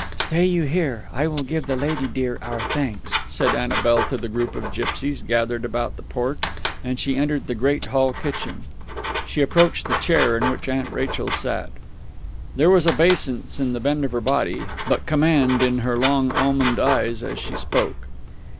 "Stay you here; I will give the lady dear our thanks," said Annabel to the group of gipsies gathered about the porch; and she entered the great hall kitchen. She approached the chair in which Aunt Rachel sat. There was obeisance in the bend of her body, but command in her long almond eyes, as she spoke.